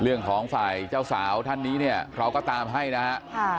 เรื่องของฝ่ายเจ้าสาวท่านนี้เนี่ยเราก็ตามให้นะฮะ